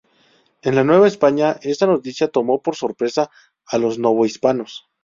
En la Nueva España esta noticia tomó por sorpresa a los novohispanos.